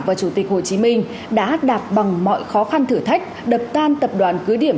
và chủ tịch hồ chí minh đã đạt bằng mọi khó khăn thử thách đập tan tập đoàn cứ điểm